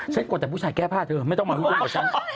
ฉันกดแต่ผู้ชายแก้พลาดเธอไม่ต้องมาคุยกับฉัน